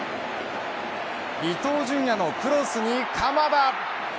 伊東純也のクロスに鎌田。